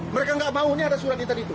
mereka nggak mau ini ada surat i tadi itu